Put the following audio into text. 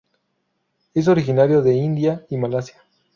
Es originario de India y Malasia.